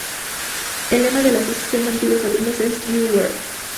El lema de la Asociación de Antiguos Alumnos es: "You were.